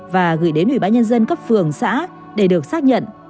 và gửi đến ubnd cấp phường xã để được xác nhận